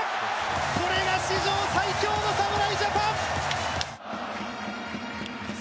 これが史上最強の侍ジャパン！